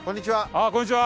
ああこんにちは。